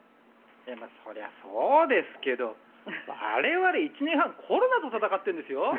そりゃそうですけど我々は１年半コロナと闘ってんですよ。